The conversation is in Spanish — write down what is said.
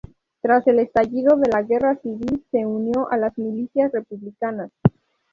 Tras el estallido de la guerra civil se unió a las milicias republicanas.